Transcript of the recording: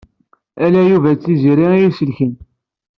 Ala Yuba d Tiziri ay iselken.